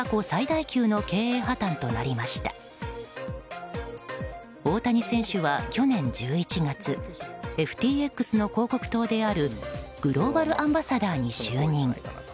大谷選手は去年１１月ＦＴＸの広告塔であるグローバル・アンバサダーに就任。